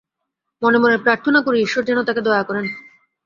মনে মনে প্রার্থনা করি, ঈশ্বর যেন তাকে দয়া করেন।